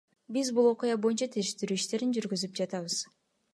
Биз бул окуя боюнча териштирүү иштерин жүргүзүп жатабыз.